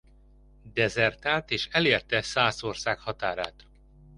Dezertált és elérte Szászország határát.